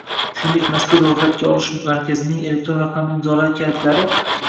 shuningdek mazkur ro‘yxatga olish markazining elektron raqamli imzolar kalitlari